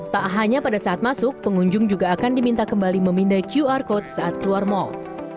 tak hanya pada saat masuk pengunjung juga akan diminta kembali memindai qr code saat keluar mall